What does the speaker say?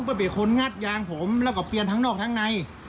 ถ้าผิดชอบก็ยังของอยู่ข้างใน